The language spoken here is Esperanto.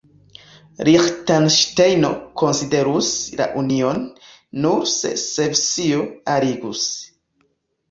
Liĥtenŝtejno konsiderus la union, nur se Svisio aliĝus.